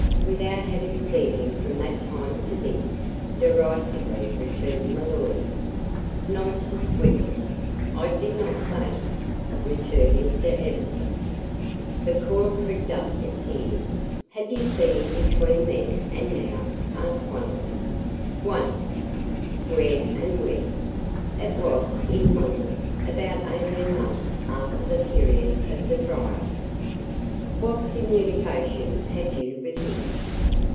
"Without having seen him from that time to this?" derisively returned the lawyer. "Nonsense, witness." "I did not say that," returned Mr. Ebenezer. The court pricked up its ears. "Have you seen him between then and now?" asked one of them. "Once." "Where and when?" "It was in London, about eighteen months after the period of the trial!" "What communication had you with him?"